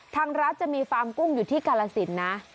ทางร้านจะมีฟาร์มกุ้งอยู่ที่กาลสินนะ